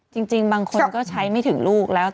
จริงบางคนก็ใช้ไม่ถึงลูกแล้ว